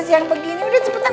nanti kita trus ke tempat situ